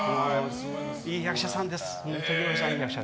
いい役者さんです。